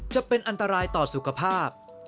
จะเป็นอันตรายต่อสุขภาพ